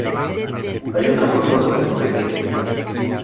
Hay una rosa sobre el pecho.